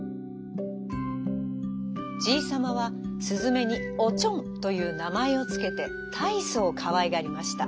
じいさまはすずめに「おちょん」というなまえをつけてたいそうかわいがりました。